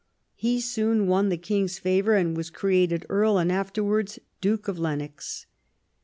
He soon won the King's favour, and was created Earl, and afterwards Duke, of Lennox.